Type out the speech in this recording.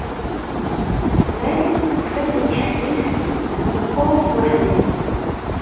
Meg tufa-d ikeffis bu kuẓ wafriwen.